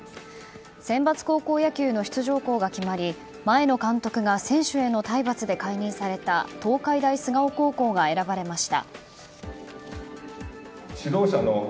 センバツ高校野球の出場校が決まり前の監督が選手への体罰で解任された東海大菅生高校が選ばれました。